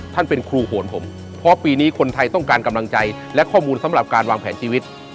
เป็นครูโหนผมเพราะปีนี้คนไทยต้องการกำลังใจและข้อมูลสำหรับการวางแผนชีวิต